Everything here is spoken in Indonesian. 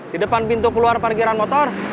di depan pintu keluar parkiran motor